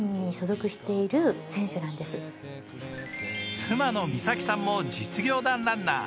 妻の美咲さんも実業団ランナー。